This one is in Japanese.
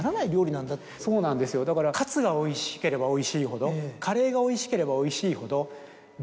そうなんですよだからカツがおいしければおいしいほどカレーがおいしければおいしいほど。